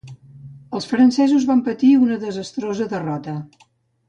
Els francesos van patir una desastrosa derrota.